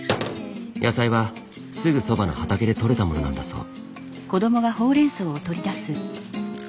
野菜はすぐそばの畑でとれたものなんだそう。